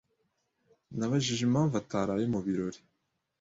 Nabajije impamvu ataraye mu birori.